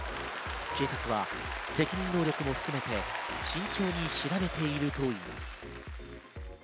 警察は責任能力も含めて、慎重に調べているといいます。